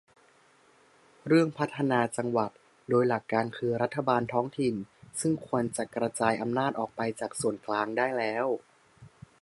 เรื่องพัฒนาจังหวัด โดยหลักคือรัฐบาลท้องถิ่น ซึ่งควรจะกระจายอำนาจออกไปจากส่วนกลางได้แล้ว